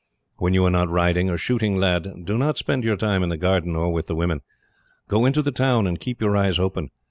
"When you are not riding or shooting, lad, do not spend your time in the garden, or with the women. Go into the town and keep your eyes open.